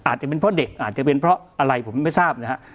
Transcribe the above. อาจจะเป็นเพราะเด็กอาจจะเป็นเพราะอะไรผมไม่ทราบนะฮะ